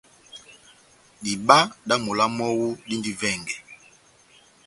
Diba dá mola mɔ́wu dindi vɛngɛ.